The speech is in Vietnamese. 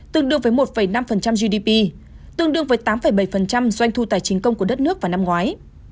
tương đương với một năm gdp tương đương với tám bảy doanh thu tài chính công của đất nước vào năm ngoái